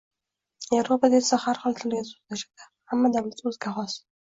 Yevropada esa har xil tilda soʻzlashishadi, hamma davlat oʻziga xos.